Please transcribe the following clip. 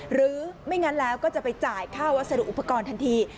หรือไม่งั้นแล้วก็จะไปจ่ายค่าวัสดุอุปกรณ์ทันที